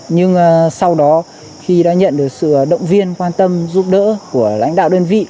nhưng sau đó khi đã nhận được sự động viên quan tâm giúp đỡ của lãnh đạo đơn vị